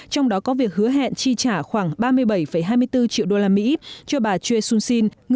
trong đó có việc hứa hẹn chi trả khoảng ba mươi triệu đồng